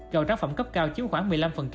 rồi tráng phẩm cấp cao chiếm khoảng một mươi năm